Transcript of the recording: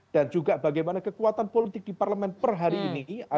dan juga bagaimana kekuatan politik di parlemen per hari ini